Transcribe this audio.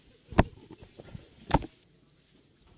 สวัสดีทุกคน